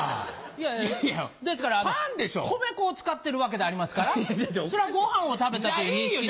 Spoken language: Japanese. いやいやですから米粉を使ってるわけでありますからご飯を食べたという認識に。